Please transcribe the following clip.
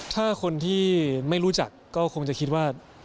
ถ้าคนที่ไม่รู้จักก็คงจะคิดว่า